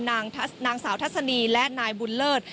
นางสาวทัศนีและนายบุญเลิศ